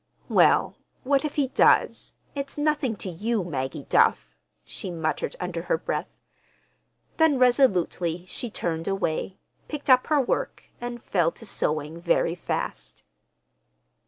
"Well, what if he does? It's nothing to you, Maggie Duff!" she muttered under her breath. Then resolutely she turned away, picked up her work, and fell to sewing very fast.